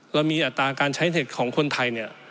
เรามีอัตราการใช้เทคของคนไทยเนี่ย